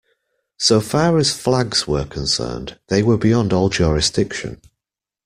So far as flags were concerned, they were beyond all jurisdiction.